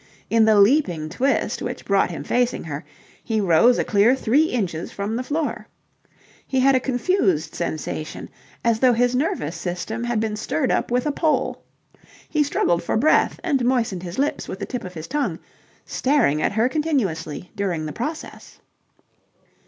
In the leaping twist which brought him facing her, he rose a clear three inches from the floor. He had a confused sensation, as though his nervous system had been stirred up with a pole. He struggled for breath and moistened his lips with the tip of his tongue, staring at her continuously during the process.